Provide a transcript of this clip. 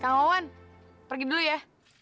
kang maman pergi dulu ya